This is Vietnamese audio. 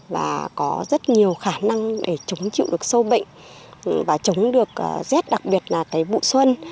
và có rất nhiều khả năng để chống chịu được sâu bệnh và chống được rét đặc biệt là cái vụ xuân